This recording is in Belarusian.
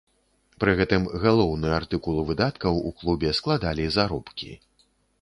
Пры гэтым галоўны артыкул выдаткаў у клубе складалі заробкі.